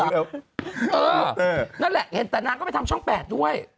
นั่นแหละเห็นแต่นางก็ไปทำช่อง๘ด้วย